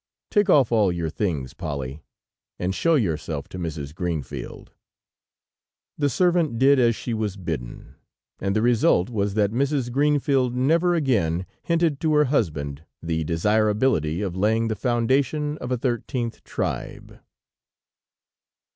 Take off all your things, Polly, and show yourself to Mrs. Greenfield." The servant did as she was bidden, and the result was that Mrs. Greenfield never again hinted to her husband the desirability of laying the foundation of a thirteenth tribe.